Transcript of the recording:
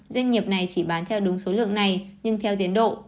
doanh nghiệp này chỉ bán theo đúng số lượng này nhưng theo tiến độ